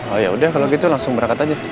oh yaudah kalo gitu langsung berangkat aja